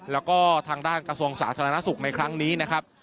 แล้วก็ทางด้านกระทรวงสาธารณสุขในครั้งนี้นะครับ